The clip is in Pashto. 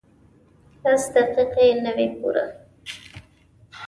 لس دقیقې نه وې پوره.